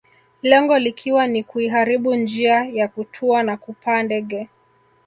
Lengo likiwa ni kuiharibu njia ya kutua na kupaa ndege